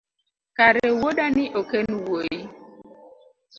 kare wuodani ok enwuoyi?